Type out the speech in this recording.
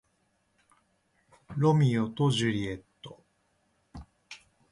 ロミオとジュリエット